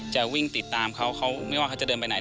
จะวิ่งติดตามเขาเขาไม่ว่าเขาจะเดินไปไหน